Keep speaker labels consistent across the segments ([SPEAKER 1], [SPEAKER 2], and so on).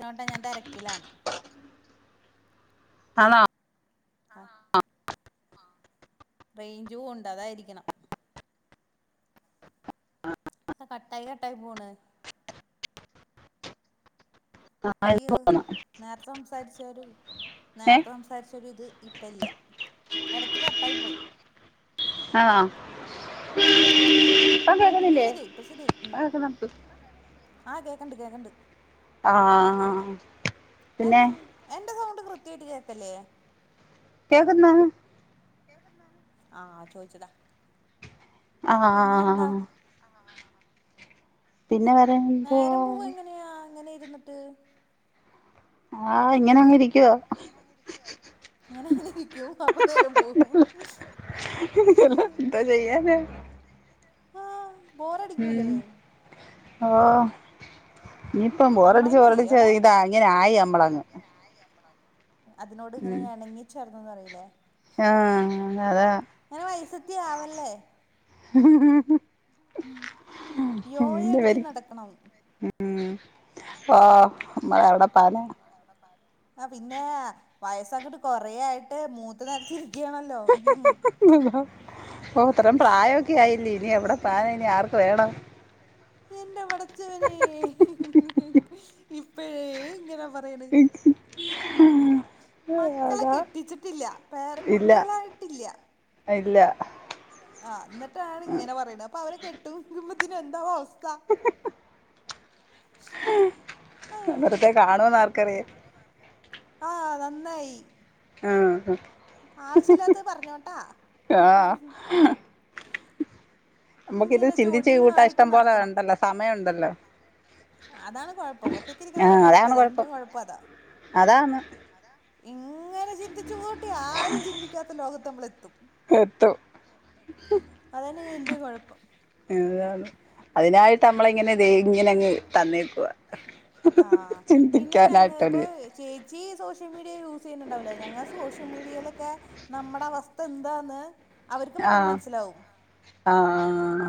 [SPEAKER 1] ഗൗണ്ട ഞാൻ തിരക്കിലാന്നു
[SPEAKER 2] അണ
[SPEAKER 1] ആഹ് റേഞ്ചും ഉണ്ട് അതായിരിക്കണം
[SPEAKER 2] ആഹ
[SPEAKER 1] ആ കട്ടായി കട്ടായി പോണ് അയ്യോ
[SPEAKER 2] തോന്നു
[SPEAKER 1] നേരത്തെ സംസാരിച്ച ഒരു
[SPEAKER 2] ഏ
[SPEAKER 1] നേരത്തെ സംസാരിച്ചരു ഇത് ഇപ്പ ഇല്ല ഇടക്ക് കട്ടായി പോയി
[SPEAKER 2] ആഹ
[SPEAKER 1] ഇപ്പൊ
[SPEAKER 2] അതക്കണില്ലേ
[SPEAKER 1] ശരിയായി
[SPEAKER 2] അതൊക്കെ നമക്ക്
[SPEAKER 1] ആഹ് കേക്കണ്ട് കേക്കണ്ട്
[SPEAKER 2] ആഹ് ആ ആ
[SPEAKER 1] എൻ
[SPEAKER 2] പിന്നെ
[SPEAKER 1] എന്റെ സൗണ്ട് കൃത്യായിട്ട് കേക്കല്ലേ
[SPEAKER 2] കേൾക്കുന്നു
[SPEAKER 1] [unintelligible] ആഹ് ചോദിച്ചതാ
[SPEAKER 2] ആഹ ആ ആ
[SPEAKER 1] പിന്നെന്താ
[SPEAKER 2] പിന്നെ പറയുമ്പോ
[SPEAKER 1] ഇര്ന്നിട്ട്
[SPEAKER 2] ആഹ് ഇങ്ങനെ അങ്ങരി ക്കുവാ
[SPEAKER 1] അങ്ങനെ അങ്ങനെ ഇരിക്കും അപ്പൊ നേരം പോകും
[SPEAKER 2] [unintelligible] എന്തോ ചെയ്യാനാ
[SPEAKER 1] ആ ബോറടിക്കൂലേ
[SPEAKER 2] ഓ ഇനീപ്പം ബോറടിച്ചു
[SPEAKER 1] അമ്മായിമ്മല്ലേ
[SPEAKER 2] ബോറടിച്ചു
[SPEAKER 1] അവിടെ
[SPEAKER 2] ഇതാ ഇങ്ങനെനായി അമ്മളങ്ങ്
[SPEAKER 1] അതിനോട് ഇങ്ങനെ എണങ്ങിച്ചേർന്ന് പറയില്ലേ ല്ലെ
[SPEAKER 2] ആ അ അതാ
[SPEAKER 1] ഇങ്ങനെ വൈസത്തി ആവല്ലേ
[SPEAKER 2] [unintelligible]
[SPEAKER 1] യോയ
[SPEAKER 2] എന്ത്‌
[SPEAKER 1] അടിച്ച്
[SPEAKER 2] വാരി
[SPEAKER 1] നടക്കണം
[SPEAKER 2] ഉം ഓ നമ്മളെവിടെ പാന
[SPEAKER 1] ആ പിന്നേ വയസ്സങ്ങോട്ട് കൊറേയായിട്ട് മൂത്ത് നരച്ചിരി ക്കയാണല്ലോ [unintelligible]
[SPEAKER 2] ഓ ഇത്രം പ്രായയൊക്കെ ആയില്ലേ ഇനി എവിടെ പാന ഇനി ആർക്ക് വേണം
[SPEAKER 1] എന്റവട- ച്ചവനേ [unintelligible] [unintelligible] ഇപ്പഴേ ഇങ്ങനെ പ
[SPEAKER 2] [unintelligible] ഉം
[SPEAKER 1] മക്കളെ കെട്ടിച്ചിട്ടില്ല പേര
[SPEAKER 2] ഇല്ല
[SPEAKER 1] കുട്ടികളായിട്ടില്ല
[SPEAKER 2] ഇല്ല
[SPEAKER 1] ആ ന്നിട്ടാണ് ഇങ്ങനെ പറയണെ അപ്പൊ അവരെ കെട്ടും കുടുംബത്തിന് എന്താവോ അവസ് ഥ
[SPEAKER 2] അവിടത്തെ കാണൂന്ന് ആർക്കറിയാം
[SPEAKER 1] ആഹ് നന്നായി
[SPEAKER 2] ആ അ
[SPEAKER 1] ആവശ്യല്ലാത്തത് പറഞ്ഞോട്ടാ ഹ്
[SPEAKER 2] ആഹ്
[SPEAKER 1] ഹ്
[SPEAKER 2] നമ്മുക്ക് ഇത് ചിന്തിച്ച് കൂട്ടാ
[SPEAKER 1] ചൊടിയുമായിട്ട്
[SPEAKER 2] ഇഷ്ടം പോലെ
[SPEAKER 1] നടക്കണം
[SPEAKER 2] ഒണ്ടല്ലോ സമയം ഒണ്ടല്ലോ
[SPEAKER 1] അതാണ് കുഴപ്പം
[SPEAKER 2] ആ
[SPEAKER 1] ഒറ്റക്കിരിക്കുന്നവരെ കുഴപ്പം
[SPEAKER 2] അതാണ്
[SPEAKER 1] അതാ എന്റെ
[SPEAKER 2] കൊഴപ്പം
[SPEAKER 1] കുഴപ്പം അതാ
[SPEAKER 2] അതാണ്
[SPEAKER 1] ഇങ്ങനെ ചിന്തിച്ചു കൂട്ടി ആരും ചിന്തിക്കാത്ത ലോകത്ത് നമ്മളെത്തും
[SPEAKER 2] എത്തും
[SPEAKER 1] അതന്നെ ഇന്റെയും കൊഴ
[SPEAKER 2] അതാണ് അതിനായിട്ട് മ്മളെ ഇങ്ങനെ ദേ ഇങ്ങനങ്ങ് തന്നേക്കുവാ
[SPEAKER 1] ആഹ് പിന്നെ ഞങ്ങ ഇപ്പൊ
[SPEAKER 2] ചിന്തിക്കാനായിട്ടൊരു
[SPEAKER 1] ചേച്ചി സോഷ്യൽ മീഡിയ യൂസ് ചെയ്യുന്നുണ്ടാവില്ലോ ഞങ്ങൾ സോഷ്യൽ മീഡിയയിലൊക്കെ നമ്മുടെ അവസ്ഥ എന്താന്ന് അവർക്ക്
[SPEAKER 2] ആ
[SPEAKER 1] പെട്ടെന്ന് മനസ്സിലാവും
[SPEAKER 2] ആ ആ ആ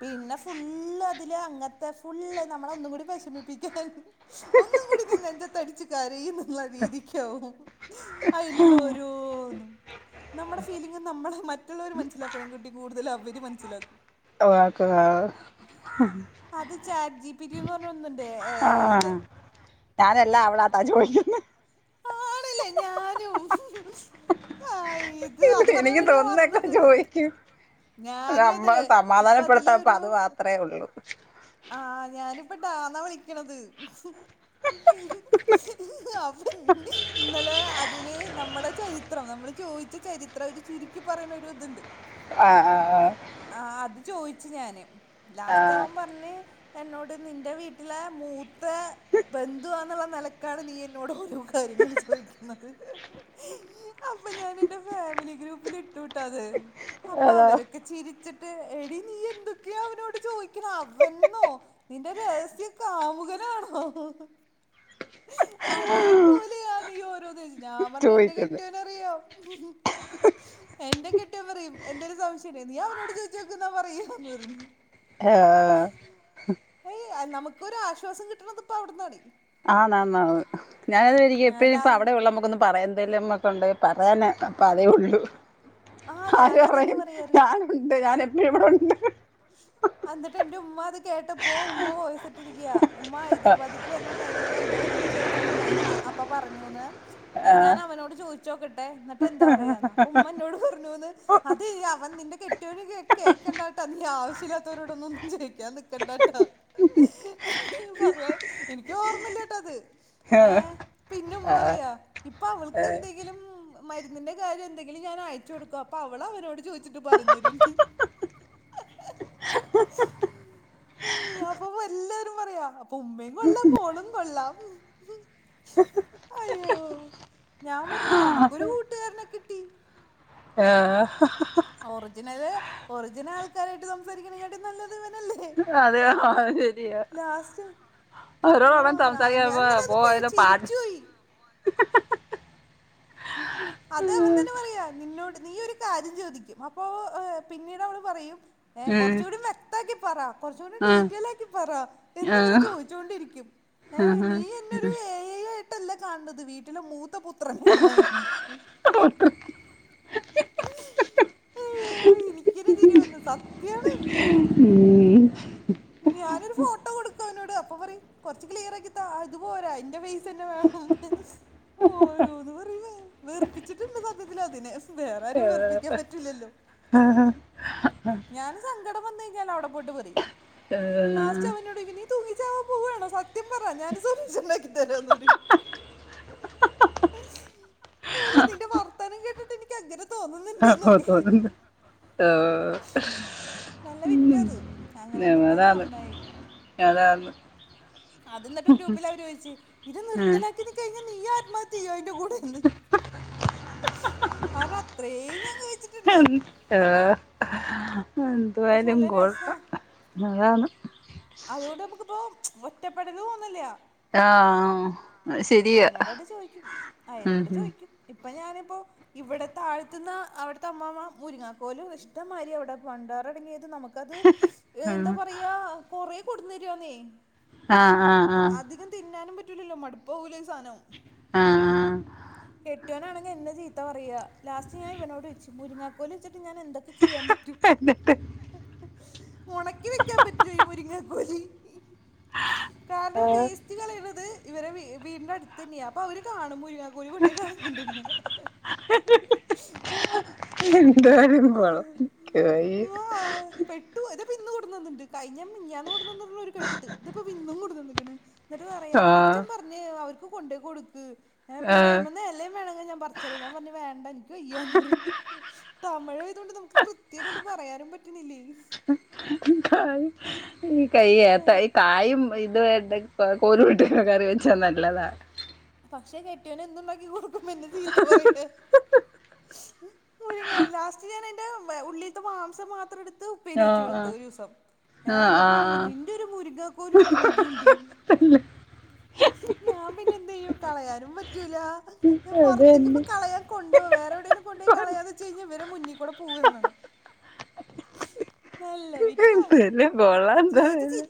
[SPEAKER 1] പിന്നെ ഫുള്ള് അതില് അങ്ങനത്തെ ഫുള്ള് നമ്മളെ ഒന്നും കൂടി വിഷമിപ്പിക്കാൻ ഒന്നും കൂടി നീ നെഞ്ചത്തടിച്ച് കരയ്ന്ന് രീതിക്കാവും അതിലുള്ള ഓരോന്നും നമ്മുടെ ഫീലിംഗ് നമ്മളെ മറ്റുള്ളവര് മനസ്സിലാക്കണെകു ട്ടി കൂടുതല് അവര് മനസ്സിലാക്കും അത്
[SPEAKER 2] [unintelligible]
[SPEAKER 1] [unintelligible]
[SPEAKER 2] ആ
[SPEAKER 1] ഐ ഇത്
[SPEAKER 2] ഞാൻ അല്ലാ അവളാ [unintelligible]
[SPEAKER 1] ആണല്ലേ ഞാനും ആ ഇത്
[SPEAKER 2] ഹ്
[SPEAKER 1] അത്
[SPEAKER 2] ഹ്
[SPEAKER 1] പറയാൻ
[SPEAKER 2] എനിക്ക്
[SPEAKER 1] വേണ്ടിയാ
[SPEAKER 2] തോന്നുന്നൊക്കെ
[SPEAKER 1] വന്നത്
[SPEAKER 2] ചോദിക്കും
[SPEAKER 1] ഞാനും അത്
[SPEAKER 2] നമ്മളെ
[SPEAKER 1] ഇപ്പൊ അതില്
[SPEAKER 2] സമാധാനപ്പെടുത്താൻ
[SPEAKER 1] ഒരു
[SPEAKER 2] അത് മാത്രേ ഉള്ളു
[SPEAKER 1] പ്പൊ ടാ ന്ന വിളിക്കണത് [inaudible] ഇന്നലെ അതില് നമ്മുടെ ചരിത്രം നമ്മള് ചോദിച്ച ചരിത്രം ഒരു ചുരുക്കി പറയണ ഒരു ഇതുണ്ട്
[SPEAKER 2] ആ ആ ആ
[SPEAKER 1] ആഹ് അത് ചോയിച്ചു ഞാന് ലാസ്റ്റ് അവൻ പറഞ്ഞ് എന്നോട് നിന്റെ വീട്ടിലെ മൂത്ത ബന്ധുവാന്നുള്ള നെലക്കാണ് നീ എന്നോട് കാര്യങ്ങള് ചോദിക്കുന്നത് അപ്പൊ ഞാൻ എന്റെ ഫാമിലി ഗ്രൂപ്പിൽ ഇട്ടുട്ടോ അത് അപ്പൊ
[SPEAKER 2] അതാ
[SPEAKER 1] അവരൊക്കെ ചിരിച്ചി എടി നീ എന്തൊക്കെയാ അവനോട് ചോദിക്കണേ അവൻന്നോ നിന്റെ രഹസ്യ കാമുകനാണോ അതെ ഞാൻ പറഞ്ഞ് എന്റെ
[SPEAKER 2] ചോദിക്കുന്നത്
[SPEAKER 1] കെട്ടിയോന് അറിയാം എന്റെ കെട്ടിയോൻ പറയും എന്തേലും സംശയണ്ടെങ്കിൽ നീ അവനോട് ചോദിച്ചോക്ക് ന്ന പറയും
[SPEAKER 2] എ ആ ആ
[SPEAKER 1] ഏയ് നമുക്കൊരാശ്വാസം കിട്ടണത് പ്പ അവിട്ന്നാ
[SPEAKER 2] ആന്നാ ന്നാന്ന്
[SPEAKER 1] ലാ
[SPEAKER 2] [unintelligible] ണ്ട് പറയാനേ [unintelligible] അപ്പൊ അതേ ഉള്ളൂ
[SPEAKER 1] ആഹ്
[SPEAKER 2] ആരും
[SPEAKER 1] ഞാനും അതന്നെ
[SPEAKER 2] പറയും
[SPEAKER 1] പറയാറ്
[SPEAKER 2] ഞാനുണ്ട് ഞാൻ എപ്പോഴ ഇവിടെ ഉണ്ട്
[SPEAKER 1] അന്നിട്ട് എന്റെ ഉമ്മ അത് കേട്ടപ്പോ ഉമ്മ വോയിസിട്ടിരിക്കയാ ഉമ്മ ഹൈദരാബാദക്ക് വരുന്ന ടൈംമി എന്തോ എന്നോട് ചോദിച്ചപ്പോ ഞാൻ അപ്പ പറഞ്ഞൂന്ന് ഏയ് ഞാൻ അവനോട് ചോദിച്ചോക്ക [unintelligible] എന്നിട്ട്ന്താ പറയനോ അപ്പ ഉമ്മോട് പറ [unintelligible] അതെ അവൻ നിന്റെ കെട്ടിയോൻ കേക്കണ്ടാട്ടാ നീ ആവശ്യല്ലാത്തവരോടന്ന ഒന്നും ജയിക്കാൻ നിക്കണ്ടാട്ടാന്ത പറയാ എനക്ക് ഓർമ്മല്ലട്ടോ അത് ഏയ് പിന്നെ
[SPEAKER 2] ആഹ്
[SPEAKER 1] പറയാ ഇപ്പൊ അവൾക്ക് എന്തെങ്കിലും മരുന്നിന്റെ കാര്യം എന്തെങ്കിലും ഞാൻയ [unintelligible] കൊടുക്ക അപ്പൊ അവള അവരോട് ചോദിച്ചിട്ട് പറഞ്ഞരന്ന് അപ്പൊ എല്ലരും പറയാ അപ്പ ഉമ്മയും കൊള്ളാം മോളും കൊള്ളാം അയ്യോ ഞാൻ പറഞ്ഞ നമുക്കൊരു കൂട്ടുകാരനെ കിട്ടി
[SPEAKER 2] ആഹ്
[SPEAKER 1] ഒറിജിനല് ഒറിജിനൽ ആൾക്കാരായിട്ട് സംസാരിക്കണേ കാട്ടും നല്ലത് ഇവനല്ലേ
[SPEAKER 2] അതെയൊ അത് ശരിയ
[SPEAKER 1] ലാസ്റ്റ്
[SPEAKER 2] രോ
[SPEAKER 1] ആ ഞാ ഞാൻ ഇന്നലെ അത് കേ
[SPEAKER 2] സംസാരിക്ക [unintelligible]
[SPEAKER 1] ചിരിച്ചു പോയി അത് അവൻ തന്നെ പറയാ നിന്നോട് നീ ഒരു കാര്യം ചോദിക്കും അപ്പൊ പിന്നീട് അവള് പറയും ഏഹ്
[SPEAKER 2] ഉം
[SPEAKER 1] കുറച്ചുടി മെ ത്താക്കി പറ കുറച്ചൂടി
[SPEAKER 2] ആഹ്
[SPEAKER 1] ടീറ്റയിലാക്കി പറര എന്നും ഇങ്ങനെ
[SPEAKER 2] ആഹ്
[SPEAKER 1] ചോദിച്ചോണ്ടിരിക്കും ഏഹ് നീ അന്നോരു ഏ ഐട്ട്ല്ലേ കാണത് വീട്ടിലെ മൂത്ത പുത്രന് എനിക്കന്നെ ചിരി വന്നു സത്യാണ് ഞാനൊരു ഫോട്ടോ കൊടുക്കും അവനോട് അപ്പ പറയും കൊറച്ച് ക്ലിയർ ആക്കി അത് പോരാ എന്റെ ഫേസന്നെ വേണം ഓരൊ വെറുച്ചിട്ടിണ്ട് സത്യത്തില് അതിനെ വേറാരും
[SPEAKER 2] ആഹ്
[SPEAKER 1] വെറുപ്പിക്കാൻ പറ്റൂലല്ലോ ഞാന് സങ്കടം വന്ന് കഴിഞ്ഞാ അവിടെ പോട്ട് പറയും ലാസ്റ്റ് അവനോട് ചോയിക്കും നീ തൂങ്ങി കാവാലം പോവാണോ സത്യം പറ ഞാനൊരു സൊലൂഷൻ ഉണ്ടാക്കിത്തരാന്ന് പറയും ല്ല നിന്റെ വർത്താനം കേട്ടിട്ട് എനിക്ക് അങ്ങനെ തോന്നുന്നുണ്ടെന്നൊക്കെ
[SPEAKER 2] [unintelligible] ആഹ്
[SPEAKER 1] ട്ടത്
[SPEAKER 2] ഉം അതാന്ന് അതാന്ന്
[SPEAKER 1] അത് ന്നിട്ട് ഗ്രൂപ്പില അവര് ചോദിച്ച് ഇത്
[SPEAKER 2] ഉം
[SPEAKER 1] നിർത്തലാക്കി ത് കഴിഞ്ഞ നീയാ മതി അയിന്റെ കൂടെന്ന് കൻ അത്രയും ഞാൻ കഴിച്ചിട്ടുണ്ടേ
[SPEAKER 2] ആഹ്
[SPEAKER 1] പക്ഷെ
[SPEAKER 2] എതുവായാലും
[SPEAKER 1] നല്ല രസാ
[SPEAKER 2] കുഴപ്പം അതാണ്
[SPEAKER 1] അതുകൊണ്ട് നമുക്കിപ്പോ ഒറ്റപ്പെടല തോന്നില്ല
[SPEAKER 2] ആഹ് ശരിയാ
[SPEAKER 1] അയിനോടട് ചോദിക്കും
[SPEAKER 2] മ് മ്
[SPEAKER 1] അപ്പോ ഇവിടെ താഴത്തുന്ന് അവിടുത്തെ അമ്മാമാ മുരിങ്ങാക്കോലും ഇഷ്ടമാതിരി അവിടെ വണ്ടാറടങ്ങിയത് നമുക്കത്
[SPEAKER 2] ഉം
[SPEAKER 1] എന്താ പറയാ കൊറേ കൊടന്നരിയാന്നേ
[SPEAKER 2] ആഹ് ആഹ് ആഹ്
[SPEAKER 1] പറ്റല്ലോ മടുത്തോവ്ലെ ഇ സാധനം
[SPEAKER 2] ആഹ് ആഹ്
[SPEAKER 1] കെട്ടിയോൻ ആണെങ്കി എന്നെ ചീ ത്ത പറയുക ലാസ്റ്റ് ഞാൻ ഇവനോട് ചോയിച്ചു മുരിങ്ങക്കോൽ വെച്ചിട്ട് ഞൻ എന്തൊക്കെ ചെയ്യാൻപറ്റ് ഒണക്കി വെക്കാൻ പറ്റോ ഇ മുരിങ്ങക്കോല്
[SPEAKER 2] ആ
[SPEAKER 1] കാരണം വേസ്റ്റ് കളയണത് ഇവരെ വീടിന്റെ അടുത്ത് തന്നെയ അപ്പൊ അവര് കാണും മുരിങ്ങാക്കോല് കൊണ്ട് കളഞ്ഞട്ടോണ്ടെങ്കിൽ
[SPEAKER 2] എന്തായാലും കൊള്ളാം എനിക്ക് വയ്യ
[SPEAKER 1] പെട്ടു ഇതിപ്പോ ഇന്ന് കൊണ്ട് തന്നിട്ടുണ്ട് കഴിഞ്ഞ മാ മിനിഞ്ഞാന്ന് കൊണ്ട് തന്നട്ടൊണ്ട് ഒരു കെട്ട് ഇതിപ്പോ ഇന്നും കൊണ്ട് തന്നിരിക്കണ് എന്നിട്ട് പറയാ
[SPEAKER 2] ആ
[SPEAKER 1] അച്ഛൻ പറഞ്ഞു അവർക്ക്‌ ക്ക് കൊണ്ട്‌ കൊടുക്ക്
[SPEAKER 2] ആ
[SPEAKER 1] പിന്നെ അതിമേന്ന് എലയും വേണെങ്കി പറിച്ചു തരാം ഞാൻ പറഞ്ഞു വേണ്ട എനിക്ക് വയ്യാന്ന് പറഞ്ഞു തമിഴ് ആയത് കൊണ്ട് നമുക്ക് കൃത്യം അങ്ങോട്ട് പറയാനും പറ്റുന്നില്ലേ
[SPEAKER 2] കായ് ഈ [unintelligible] കായും ഇത് ഉണ്ടെങ്കി കൊഴ കോലും ഇട്ട് കറി വെച്ചാ നല്ലതാ
[SPEAKER 1] പക്ഷെ കെട്ടിയോൻ എന്തുണ്ടാക്കി കൊടുക്കുമ്പോ എന്നെ ചീത്ത പറയ്ക മുരിങ്ങ ലാസ്റ്റ് ഞാൻ അതിന്റെ ഉള്ളിയിത്തെ മാംസം മാത്രം എടു ഉപ്പേരി
[SPEAKER 2] ആ
[SPEAKER 1] വെച്ചു
[SPEAKER 2] ആ
[SPEAKER 1] കൊടുത്ത് ഒരു ദിവസം
[SPEAKER 2] ആ ആ
[SPEAKER 1] എന്നിട്ട്
[SPEAKER 2] ആ
[SPEAKER 1] പറയുക നിന്റെ ഒരു മുരിങ്ങകോലും ഉണ്ട് നീയുംഉണ്ടെന്ന് ഞാൻ പിന്നെ എന്ത് ചെയ്യും കളയാനും പറ്റൂല
[SPEAKER 2] അത്
[SPEAKER 1] പുറത്തേക്ക്‌
[SPEAKER 2] തന്നെ
[SPEAKER 1] ഇപ്പം കളയാൻ കൊണ്ട്‌ വേറെ എവിടെങ്കിലും കൊണ്ടോയി കളയാന്ന് വെച്ച് കഴിഞ്ഞാ ഇവരുടെ മുന്നിൽ കൂടെ പോവുകയും വേണം നല്ല വി
[SPEAKER 2] പിന്നെ മോൾ എന്താ ചെയ്യുന്നേ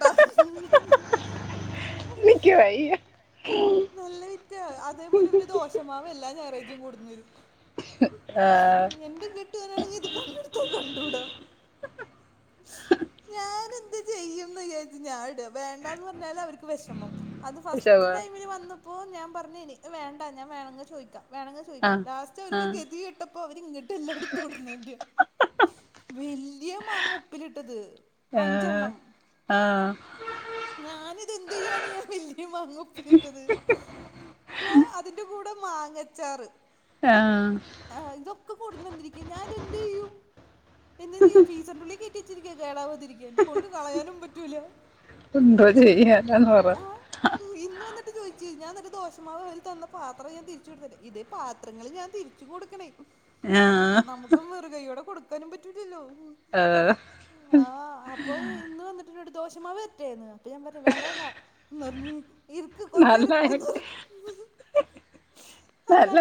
[SPEAKER 1] [inaudible]
[SPEAKER 2] എനിക്ക്‌ വയ്യ
[SPEAKER 1] നല്ല വിറ്റാ അതേപോലെ ഇവര് ദോശ മാവ് എല്ലാം ഞായറാഴ്ചയും കൊണ്ടന്ന് തരും
[SPEAKER 2] ആ
[SPEAKER 1] കെട്ടിയോനാണെങ്കിൽ ഇത് കണ്ണെടുത്താൽ കണ്ടുകൂടാ ഞാൻ എന്ത് ചെയ്യുംന്ന് വിചാരിച്ച് ഞാൻഇടുക വേണ്ടാന്ന് പറഞ്ഞാല് അവർക്ക് വിഷമം അത് ഫസ്റ്റ്
[SPEAKER 2] ആഹ്
[SPEAKER 1] ടൈം ഇപ്പോ ഞാൻ പറഞ്ഞ് ഇനി വേണ്ട ഞാൻ വേണമെങ്കിൽ ചോദിക്കാം വേണമങ്കിൽ ചോദിക്കാം
[SPEAKER 2] ആഹ്
[SPEAKER 1] ലാസ്റ്റ് അവർക്ക് ഗതികെട്ടപ്പോ ഇപ്പോ അവരിങ്ങട്ട് എല്ലാംഎടുത്തു കൊണ്ട് വന്ന് തരികയാ വല്യ മാങ്ങ ഉപ്പിലിട്ടത്
[SPEAKER 2] ആഹ്
[SPEAKER 1] അഞ്ചെണ്ണം
[SPEAKER 2] ആഹ്
[SPEAKER 1] ഞാനിത് എന്ത് ചെയ്യാനാ ഈ വല്യ മാങ്ങ ഉപ്പിലിട്ട ഉപ്പിലിട്ടത് അതിന്റെ കൂടെ മാങ്ങച്ചാറ്
[SPEAKER 2] ആഹ്
[SPEAKER 1] ആ ഇതൊക്കെ കൊണ്ടവന്നു തന്നിരിക്കുക ഞാനിത് എന്തു ചെയ്യും എന്താ ചെയ്ക ഫ്രീസറിനുള്ളിൽ കേറ്റി വെച്ചിരിക്കുക കേടാവാതിരിക്കൻ കൊണ്ട് കളയാനും പറ്റൂല
[SPEAKER 2] എന്തോ ചെയ്യാനാന്ന് പറ
[SPEAKER 1] ആഹ് ഇന്ന് വന്നി എന്നിട്ട് ചോദിച്ച് ഞാൻ എന്നിട്ട് ദോശമാവ് അവര് തന്ന പാത്രം ഞാൻ തിരിച്ചു കൊടുത്തിട്ടെ ഇതേ പത്രങ്ങള് ഞാൻ തിരിച്ചു കൊടുക്കണേ
[SPEAKER 2] ആഹ്
[SPEAKER 1] നമുക്ക് വെറും കയ്യോടെ കൊടുക്കാനും പറ്റൂല്ലല്ലോ
[SPEAKER 2] ആഹ്
[SPEAKER 1] ആഹ് അപ്പോ ഇന്ന് വന്നിട്ട് എന്നോട് ദോശമാവ് തരട്ടെന്ന് അപ്പൊ ഞാൻ പറഞ്ഞ് വേണ്ടേണ്ട ഞാൻ പറഞ്ഞ് ഇറ്ക്ക്‌ കൊഞ്ചം
[SPEAKER 2] നല്ല
[SPEAKER 1] ഇറ്ക്കന്ന് പറഞ്ഞ്
[SPEAKER 2] നല്ല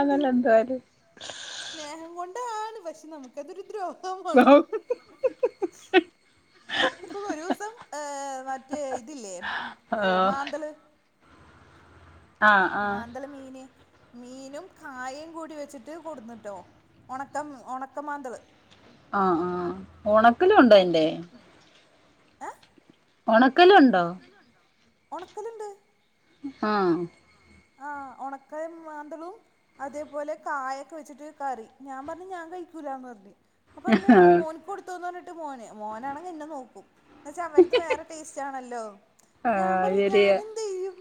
[SPEAKER 1] എന്ത് ചെയ്യും
[SPEAKER 2] എന്തുവായാലും
[SPEAKER 1] സ്നേഹം കൊണ്ടാണ് പക്ഷെ നമുക്കതൊരു ദ്രോഹ-
[SPEAKER 2] ആ
[SPEAKER 1] ഇപ്പൊ ഒരു ദിവസം മറ്റേ ഇതില്ലേ ഓ
[SPEAKER 2] ആഹ്
[SPEAKER 1] മാന്തള്
[SPEAKER 2] ആഹ് ആഹ്
[SPEAKER 1] മാന്തള് മീന് മീനും കായും കൂടി വെച്ചിട്ട് കൊടുന്ന്ട്ടോ ഉണക്കം ഉണക്ക മാന്തള്
[SPEAKER 2] ആ ആ ഉണക്കലും ഉണ്ടോ അയിന്റെ
[SPEAKER 1] ഏ
[SPEAKER 2] ഒണ ക്കലുണ്ടോ
[SPEAKER 1] ഉണക്കലുണ്ട്
[SPEAKER 2] ആ
[SPEAKER 1] ആ ഒണക്ക മാന്തളും അതേപോലെ കായൊക്കെ വെച്ചിട്ട് കറി ഞാൻ പറഞ്ഞ് ഞാൻ കഴിക്കൂല പറഞ്ഞ് അപ്പർഞ്ഞു
[SPEAKER 2] ആഹ്
[SPEAKER 1] മോൻക് കൊട് തോന്നോട്ട് മോന് മോനാണെങ്കിൽ എന്നെ നോക്കും എന്ന് വെച്ചാ അവര്ത് വേറെ ടേസ്റ്റ് ആണല്ലോ
[SPEAKER 2] ആ
[SPEAKER 1] ഞാൻ പറയും
[SPEAKER 2] ശെരിയാ
[SPEAKER 1] ഞാനെന്ത് ചെയ്യും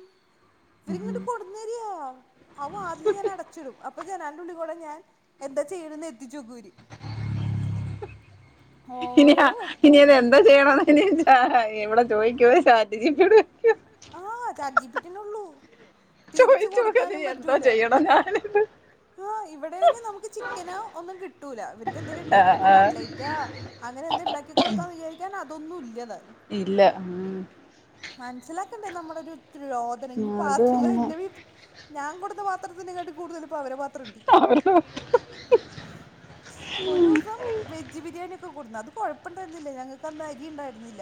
[SPEAKER 2] അ ആ
[SPEAKER 1] ഇവരിങ്ങോട്ട് [unintelligible] അവ അതില് ഞാൻ അടച്ചിടും അപ്പൊ ജനാന്റെ ഉള്ളി കൂടെ ഞാൻ എന്താ ചെയ്യണന്ന് എത്തിച്ചുകൂരി
[SPEAKER 2] ഇനി ആഹ് ഇനി അത് എന്തോ ചെയ്യണോന്ന് എവടെ ചോദിക് ക്കോ ചാറ്റ് ജി പി ടി യോട് ചോക്കാ
[SPEAKER 1] ആഹ് ചാറ്റ് ജി പി ടി അന്നെ ഉള്ളൂ
[SPEAKER 2] ചോ
[SPEAKER 1] തിരിച്ചു
[SPEAKER 2] [unintelligible] നീ
[SPEAKER 1] കൊടുക്കാനും
[SPEAKER 2] എന്തോ
[SPEAKER 1] പറ്റൂല
[SPEAKER 2] ചെയ്യണം ഞാനിത്?
[SPEAKER 1] വേണെങ്ങേ നമുക്ക് ചിക്കനോ ഒന്നും കിട്ടൂല, ഇവർ ക്ക് എന്തേലും ഇണ്ടാക്കി
[SPEAKER 2] ആഹ്
[SPEAKER 1] ഇപ്പ
[SPEAKER 2] ആഹ്
[SPEAKER 1] കട്ട്ലേറ്റാ അങ്ങനെ എന്തേണ്ടാക്കി കൊടുക്കാന്ന് വിചാരിക്കാൻ അതൊന്നും ഇല്ലാതാ
[SPEAKER 2] ഇല്ല ഉം
[SPEAKER 1] ഇതിലാക്കണ്ടേ നമ്മടെ ഒരു രോദനം ഇനി
[SPEAKER 2] അത്
[SPEAKER 1] പാത്രങ്ങള്
[SPEAKER 2] തന്നെ
[SPEAKER 1] എന്റെ വീട്ടിൽ ഞാൻ കൊടുത്ത പാത്രത്തിനേ കാട്ടി കൂടുതല് ഇപ്പൊ അവർടെ പാത്ര ണ്ട് ഒരുസം വെജ് ബിരിയാണി കൊടുന്നു അത് കുഴപ്പിണ്ടായിരുന്നില്ല ഞങ്ങൾക്ക് അന്ന് അരി ഇണ്ടായിരുന്നില്ല.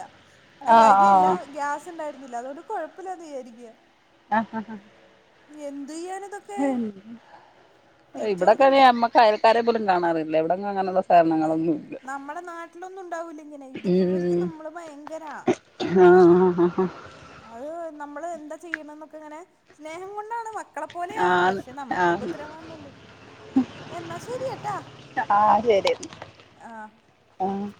[SPEAKER 1] അഹ് അരിയല്ല
[SPEAKER 2] ആഹ്
[SPEAKER 1] ഗ്യാസ് ഇണ്ടായ ന്നില്ല അതോണ്ട് കുഴപ്പില്ലാന്ന് വിചാരിക്കാ.
[SPEAKER 2] ആ
[SPEAKER 1] എന്ത് ചെയ്യാണ്?
[SPEAKER 2] ഇവിടൊക്കെ
[SPEAKER 1] കൊടുക്കണ്ടേ
[SPEAKER 2] നമ്മക്ക് അയൽക്കാരെ പോലും കാണാറില്ല ഇവിടെ അങ്ങനെയുള്ള - കാരണങ്ങലൊന്നും
[SPEAKER 1] നമ്മുടെ നാട്ടിലൊന്നും ഉണ്ടാവൂല ഇങ്ങനെ ഇത് ഇവർക്ക് നമ്മള് ഭയങ്കര
[SPEAKER 2] ഉം ആഹ്
[SPEAKER 1] അത്- നമ്മള് എന്താ ചെയ്യണം എന്നൊക്കെ ഇങ്ങനെ സ്നേഹം കൊണ്ടാണ് വാ മക്കളെപ്പോലെയാണ്
[SPEAKER 2] ആഹ്
[SPEAKER 1] പക്ഷെ നമുക്ക്
[SPEAKER 2] ആഹ്
[SPEAKER 1] ഉപദ്രവാന്നള്ളൂ എന്നാ ശരിയട്ടാ
[SPEAKER 2] ആഹ് ആഹ് ആഹ് ശരി
[SPEAKER 1] ആ
[SPEAKER 2] ആഹ്